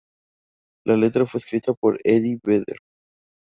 La letra fue escrita por Eddie Vedder.